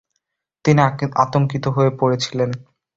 তিনি আতঙ্কিত হয়ে পড়েছিলেন।